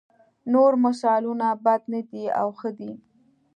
نور مثالونه بد نه دي او ښه دي.